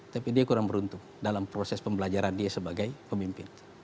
tapi dia kurang beruntung dalam proses pembelajaran dia sebagai pemimpin